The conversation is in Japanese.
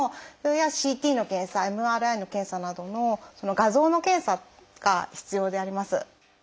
ＣＴの検査ＭＲＩの検査などの画像の検査が必要であります。